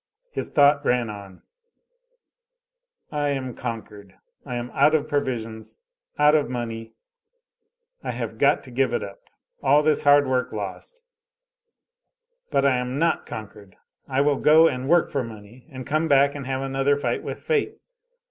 His thought ran on: "I am conquered ...... I am out of provisions, out of money. ... I have got to give it up ...... All this hard work lost! But I am not conquered! I will go and work for money, and come back and have another fight with fate.